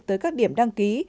tới các điểm đăng ký